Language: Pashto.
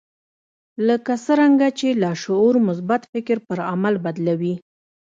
لکه څرنګه چې لاشعور مثبت فکر پر عمل بدلوي